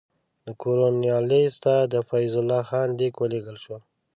د کورنوالیس ته د فیض الله خان لیک ولېږل شو.